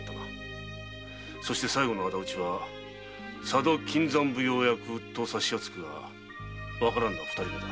そして最後の仇討ちは佐渡金山奉行役と察しはつくがわからんのは二人目だ。